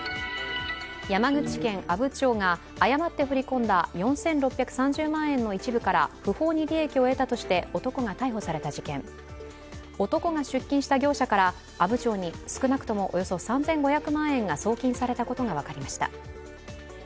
山口県阿武町が誤って振り込んだ４６３０万円の一部から不法に利益を得たとして男が逮捕された事件、男が出勤した業者から阿武町に少なくともおよそ３５００万円が送金されたことが分かりました。